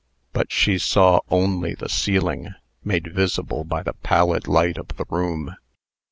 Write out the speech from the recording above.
But she saw only the ceiling, made visible by the pallid light of the room.